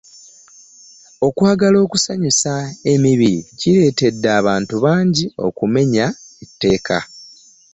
Okwagala okusanyusa emibiri kireetedde abantu bangi okumenya etteeka.